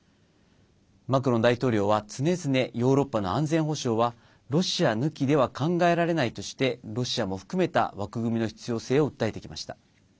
マクロン大統領は常々ヨーロッパの安全保障はロシア抜きでは考えられないとしてロシアも含めた枠組みの必要性を訴えてきました。